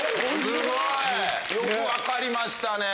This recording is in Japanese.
すごい！よく分かりましたね。